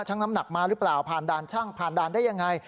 น้ำหนักมาหรือเปล่าผ่านด่านช่างผ่านด่านได้ยังไง